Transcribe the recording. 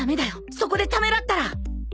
そこでためらったら！